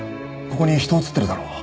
ここに人写ってるだろ？